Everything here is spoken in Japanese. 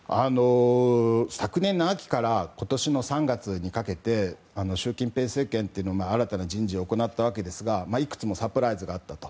昨年秋から今年３月にかけ習近平政権は新たな人事を行ったわけですがいくつもサプライズがあったと。